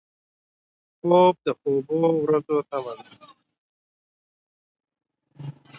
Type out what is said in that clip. خوب د خوبو ورځو تمه ده